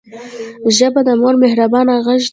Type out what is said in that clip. ژبه د مور مهربانه غږ دی